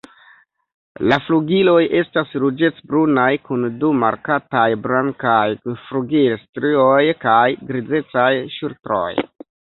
La flugiloj estas ruĝecbrunaj kun du markataj blankaj flugilstrioj kaj grizecaj ŝultroj.